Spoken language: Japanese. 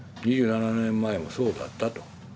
２７年前もそうだったと。